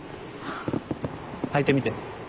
履いてみて。